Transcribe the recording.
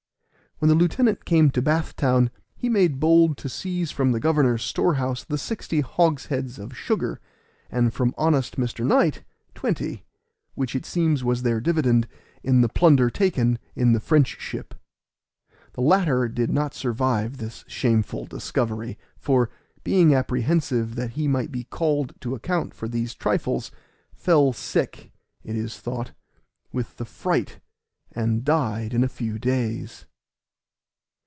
When the lieutenant came to Bath Town, he made bold to seize from the governor's storehouse the sixty hogsheads of sugar, and from honest Mr. Knight, twenty; which it seems was their dividend of the plunder taken in the French ship. The latter did not survive this shameful discovery, for, being apprehensive that he might be called to an account for these trifles, fell sick, it is thought, with the fright, and died in a few days.